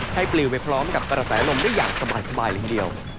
ให้ปลิวไปพร้อมกับประแสลมนมได้อย่างสบายอย่างเดียว